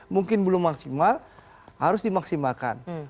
mungkin belum maksimal harus dimaksimalkan